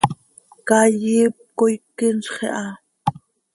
Caay iip coi quinzx iha.